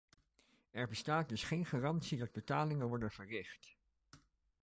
Er bestaat dus geen garantie dat betalingen worden verricht.